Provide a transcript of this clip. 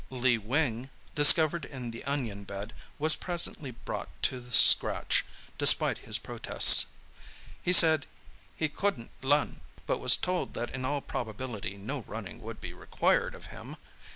Lee Wing, discovered in the onion bed, was presently brought to the scratch, despite his protests. He said he "couldn't lun," but was told that in all probability no running would be required of him.